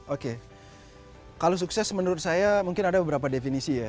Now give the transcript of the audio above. oke kalau sukses menurut saya mungkin ada beberapa definisi ya